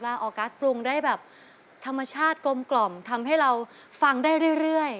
ออกัสปรุงได้แบบธรรมชาติกลมกล่อมทำให้เราฟังได้เรื่อย